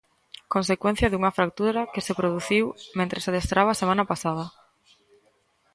Consecuencia dunha fractura que se produciu mentres adestraba a pasada semana.